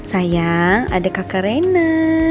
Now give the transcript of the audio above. sayang ada kakak rena